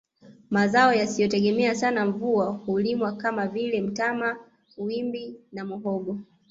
Mazao yasiyotegemea sana mvua hulimwa kama vile mtama wimbi na muhogo